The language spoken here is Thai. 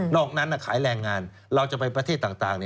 อกนั้นขายแรงงานเราจะไปประเทศต่าง